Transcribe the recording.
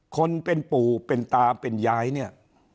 คนเป็นปู่เป็นตาเป็นย่าย